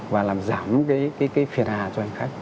và làm giảm cái phiền hà cho hành khách